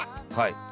はい。